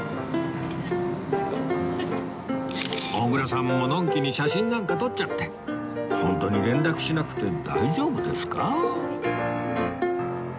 小倉さんものんきに写真なんか撮っちゃってホントに連絡しなくて大丈夫ですか？